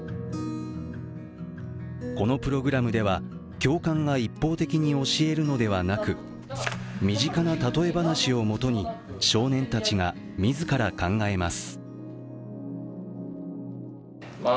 このプログラムでは、教官が一方的に教えるのではなく、身近な例え話をもとに少年たちが自ら考えます。